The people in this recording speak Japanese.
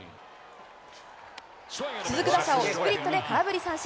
続く打者をスプリットで空振り三振。